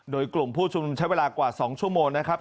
โดยกลุ่มผู้ชุมนุมใช้เวลากว่า๒ชั่วโมงนะครับ